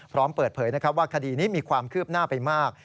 พร้อมเปิดเผยว่าคดีนี้มีความคืบหน้าไปมาก